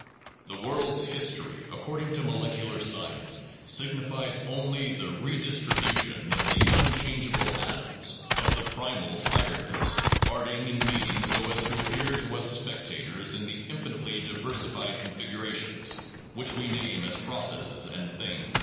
The world s history, according to molecu lar science, signifies only the redistribution of the unchanged atoms of the primal firemist, parting and meeting so as to appear to us spec tators in the infinitely diversified configura tions which we name as processes and things.